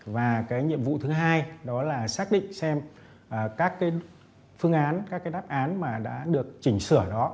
và cái nhiệm vụ thứ hai đó là xác định xem các cái phương án các cái đáp án mà đã được chỉnh sửa đó